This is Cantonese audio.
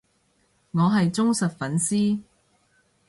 我係忠實粉絲